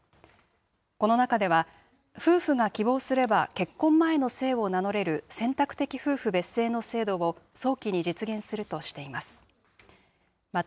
この中では、夫婦が希望すれば結婚前の姓を名乗れる選択的夫婦別姓の制度を早期に実現するとしています。